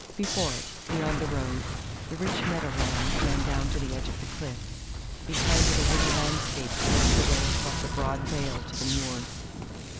Before it, beyond the road, the rich meadow land ran down to the edge of the cliffs; behind it a woody landscape stretched away across a broad vale to the moors.